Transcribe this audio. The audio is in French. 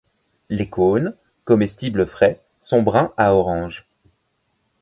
Les cônes, comestibles frais, sont bruns à orange.